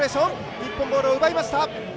日本、ボールを奪いました。